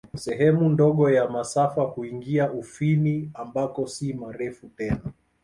Sehemu ndogo ya masafa huingia Ufini, ambako si marefu tena.